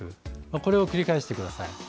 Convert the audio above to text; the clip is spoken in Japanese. これを繰り返してください。